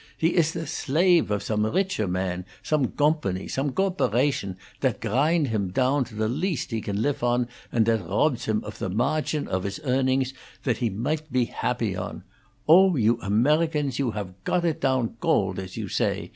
He iss the slafe of some richer man, some gompany, some gorporation, dat crindt him down to the least he can lif on, and that rops him of the marchin of his earnings that he knight pe habby on. Oh, you Amerigans, you haf cot it down goldt, as you say!